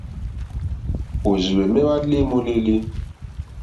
Òrzìhwɛ̀mɛ́ hwá lê môlélí.